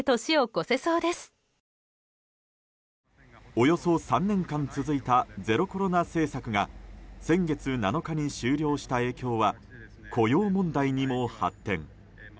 およそ３年間続いたゼロコロナ政策が先月７日に終了した影響は雇用問題にも発展。